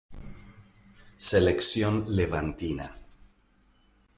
Selección Levantina.